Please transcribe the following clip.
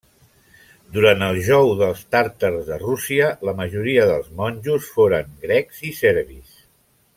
Durant el jou dels tàtars de Rússia, la majoria dels monjos foren grecs i serbis.